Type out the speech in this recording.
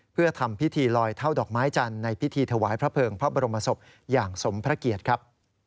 เพื่อทำพิธีลอยเท่าดอกไม้จันทร์ในพิธีถวายพระเภิงพระบรมศพอย่างสมพระเกียรติครับ